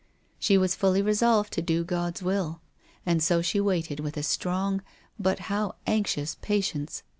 She was fully resolved to do God's will. And so she waited, with a strong, but how anxious, patience.